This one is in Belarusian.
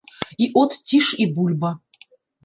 І от ціш і бульба.